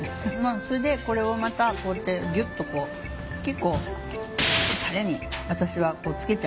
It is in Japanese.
それでこれをまたこうやってぎゅっとこう結構たれに私は付けちゃうんですけど。